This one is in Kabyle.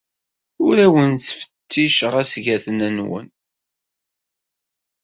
Ur awen-ttfetticeɣ asgaten-nwen.